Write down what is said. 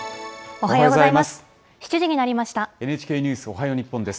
おはようございます。